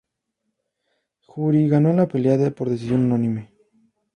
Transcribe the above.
Jury ganó la pelea por decisión unánime.